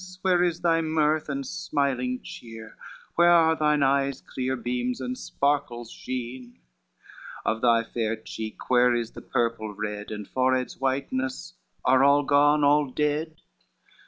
where is thy mirth and smiling cheer? Where are thine eyes' clear beams and sparkles sheen? Of thy fair cheek where is the purple red, And forehead's whiteness? are all gone, all dead?